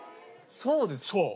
そうですか？